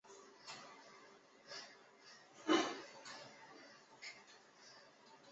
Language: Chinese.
像物质的量及特殊强度的光谱就常用任意单位来表示。